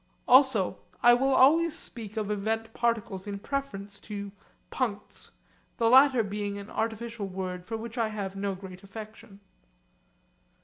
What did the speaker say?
Also I will always speak of 'event particles' in preference to 'puncts,' the latter being an artificial word for which I have no great affection.